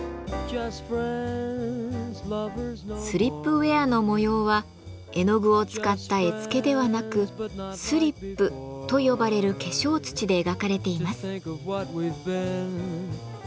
スリップウェアの模様は絵の具を使った絵付けではなく「スリップ」と呼ばれる化粧土で描かれています。